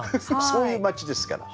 そういう町ですから。